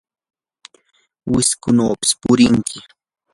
wiskunawpis purinki.